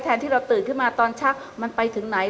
ที่เราตื่นขึ้นมาตอนชักมันไปถึงไหน